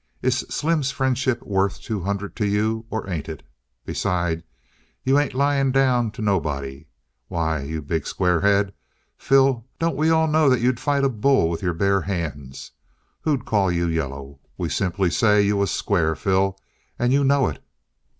Is Slim's friendship worth two hundred to you, or ain't it? Besides, you ain't lying down to nobody. Why, you big squarehead, Phil, don't we all know that you'd fight a bull with your bare hands? Who'd call you yaller? We'd simply say you was square, Phil, and you know it."